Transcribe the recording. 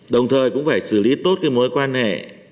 đồng thời cũng phải xử lý tốt cái mối quan hệ